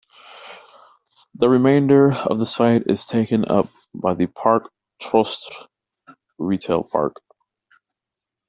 The remainder of the site is taken up by the Parc Trostre retail park.